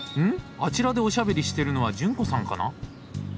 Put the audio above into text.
あちらでおしゃべりしてるのは潤子さんかな？